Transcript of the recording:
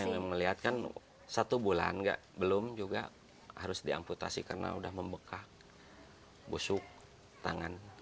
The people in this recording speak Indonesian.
yang melihat kan satu bulan belum juga harus diamputasi karena udah membekah busuk tangan